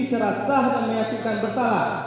serasa menyatukan bersalah